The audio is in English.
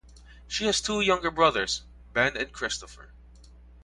She has two younger brothers, Ben and Christopher.